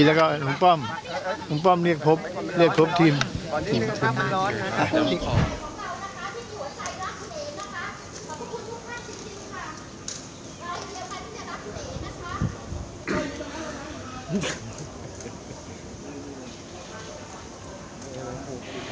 แล้วก็คุณป้อมคุณป้อมเรียกพบเรียกพบทีมทีมทีมค่ะ